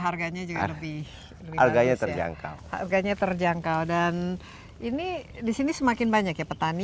harganya juga lebih bagus ya harganya terjangkau dan ini disini semakin banyak ya petani